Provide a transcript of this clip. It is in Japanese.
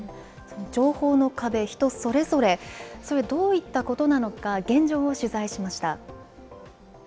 情報の壁、人それぞれ、それはどういったことなのか現状を取材しました。